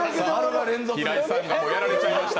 平井さんがやられちゃいました。